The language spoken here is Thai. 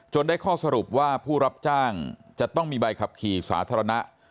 ได้ข้อสรุปว่าผู้รับจ้างจะต้องมีใบขับขี่สาธารณะ